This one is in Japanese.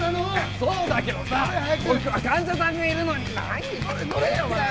そうだけどさ患者さんがいるのに乗れ乗れ！